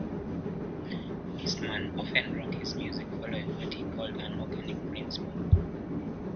Eastman often wrote his music following what he called an "organic" principle.